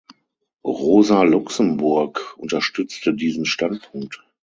Rosa Luxemburg unterstützte diesen Standpunkt.